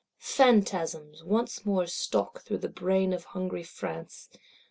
Phantasms once more stalk through the brain of hungry France.